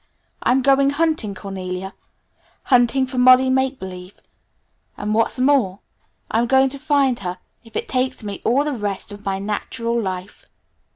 I'm going hunting, Cornelia, hunting for Molly Make Believe; and what's more, I'm going to find her if it takes me all the rest of my natural life!"